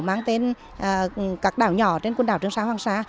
mang tên các đảo nhỏ trên quần đảo trường xa hoàng xa